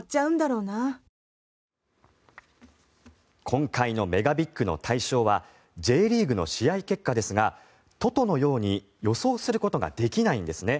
今回のＭＥＧＡＢＩＧの対象はＪリーグの試合結果ですがｔｏｔｏのように予想することができないんですよね。